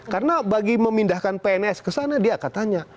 karena bagi memindahkan pns ke sana dia akan tanya